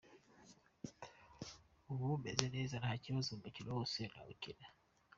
Ubu meze neza nta kibazo, umukino wose nawukina.